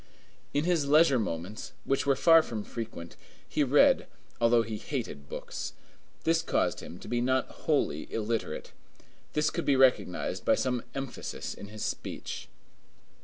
In his leisure moments, which were far from frequent, he read, although he hated books; this caused him to be not wholly illiterate. This could be recognized by some emphasis in his speech.